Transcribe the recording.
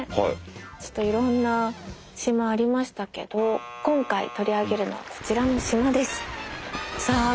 ちょっといろんな島ありましたけど今回取り上げるのはこちらの島です。